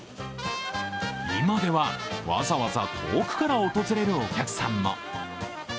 今では、わざわざ遠くから訪れるお客さんも。